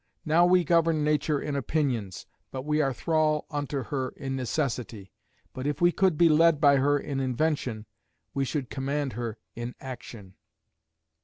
Now we govern nature in opinions, but we are thrall unto her in necessity; but if we could be led by her in invention, we should command her in action."